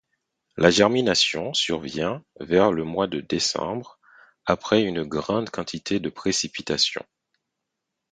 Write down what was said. La germination survient vers le mois de décembre après une grande quantité de précipitation.